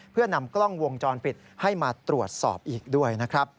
เพื่อนำกล้องวงจรปิดให้มาตรวจสอบอีกด้วยนะครับ